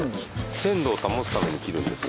鮮度を保つために切るんですね。